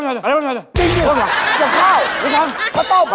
จับข้าว